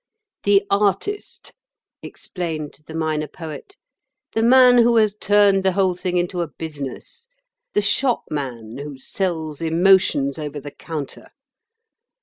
"The artist," explained the Minor Poet; "the man who has turned the whole thing into a business, the shopman who sells emotions over the counter.